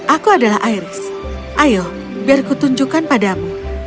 aku adalah iris ayo biar kutunjukkan padamu